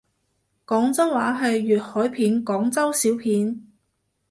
廣州話係粵海片廣州小片